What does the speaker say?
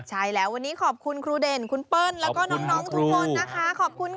ใช่แล้ววันนี้ขอบคุณครูเด่นคุณเปิ้ลแล้วก็น้องทุกคนนะคะขอบคุณค่ะ